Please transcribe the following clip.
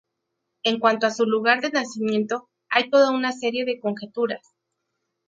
En cuanto a su lugar de nacimiento, hay toda una serie de conjeturas.